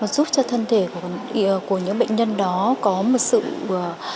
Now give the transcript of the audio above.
giúp cho thân thể của những bệnh nhân đó có một sự thoải mái